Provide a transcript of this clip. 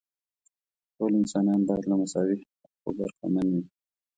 ټول انسانان باید له مساوي حقوقو برخمن وي.